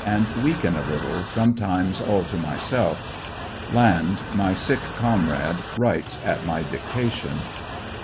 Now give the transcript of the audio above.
and weaken a little sometimes all to myself. Land, my sick comrade, writes at my dictation.